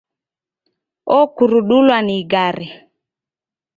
Okurudulwa ni igare.